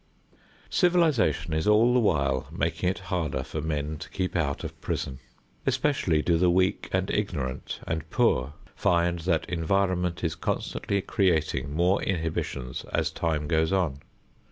Civilization is all the while making it harder for men to keep out of prison. Especially do the weak and ignorant and poor find that environment is constantly creating more inhibitions as time goes on.